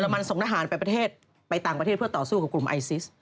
มันส่งทหารไปประเทศไปต่างประเทศเพื่อต่อสู้กับกลุ่มไอซิส